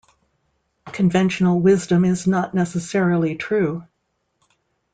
Conventional wisdom is not necessarily true.